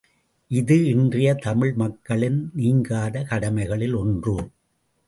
இது இன்றைய தமிழ் மக்களின் நீங்காத கடமைகளில் ஒன்று.